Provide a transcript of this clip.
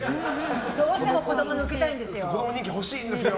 どうしても子供人気欲しいんですよ。